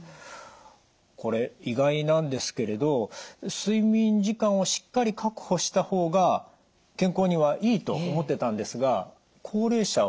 これ意外なんですけれど睡眠時間をしっかり確保した方が健康にはいいと思ってたんですが高齢者は駄目だということですね？